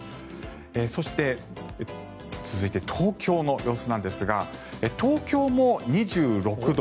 そして、続いて東京の様子ですが東京も２６度。